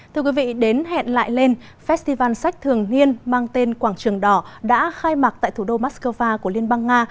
thưa quý vị đến hẹn lại lên festival sách thường niên mang tên quảng trường đỏ đã khai mạc tại thủ đô moscow của liên bang nga